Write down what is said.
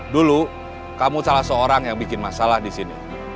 dulu kamu salah seorang yang bikin masalah disini